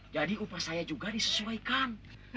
jadi upah saya juga disesuaikan